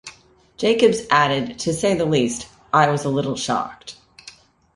Jacobs added: To say the least, I was a little shocked.